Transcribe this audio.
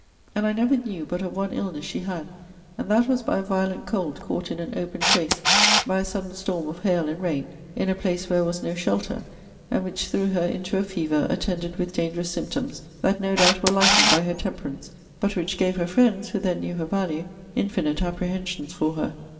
And I never knew but of one illness she had; and that was by a violent cold caught in an open chaise, by a sudden storm of hail and rain, in a place where was no shelter; and which threw her into a fever, attended with dangerous symptoms, that no doubt were lightened by her temperance; but which gave her friends, who then knew her value, infinite apprehensions for her.